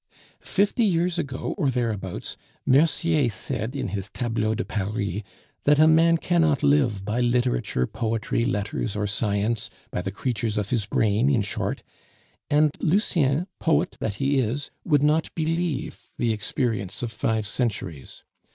"Fifty years ago, or thereabouts, Mercier said in his Tableau de Paris that a man cannot live by literature, poetry, letters, or science, by the creatures of his brain, in short; and Lucien, poet that he is, would not believe the experience of five centuries.